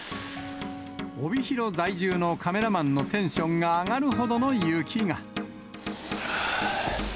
帯広在住のカメラマンのテンションが上がるほどの雪が。